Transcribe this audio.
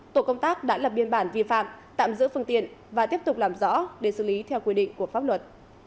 tổ công tác đã lập biên bản vi phạm tạm giữ phương tiện và tiếp tục làm rõ để xử lý theo quy định của pháp luật